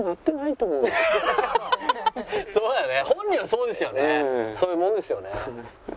そういうもんですよね。